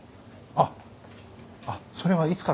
あっそれはいつから？